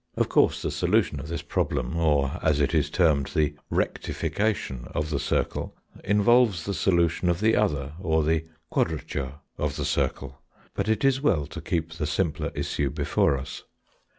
Of course, the solution of this problem, or, as it is termed, the rectification of the circle, involves the solution of the other, or the quadrature, of the circle. But it is well to keep the simpler issue before us.